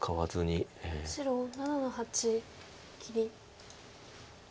白７の八切り。